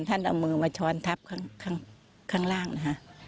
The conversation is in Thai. เอามือมาช้อนทับข้างล่างนะคะ